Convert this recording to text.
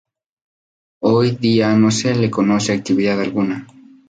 Hoy día no se le conoce actividad alguna.